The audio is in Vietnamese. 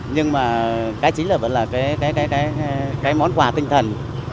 nhưng mà cái chính là vẫn là cái món quà tinh thần